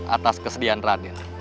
atas kesedihan raden